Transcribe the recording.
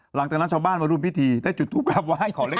หลังจากนั้นชาวบ้านมาร่วมพิธีได้จุดทูปกลับไห้ขอเลข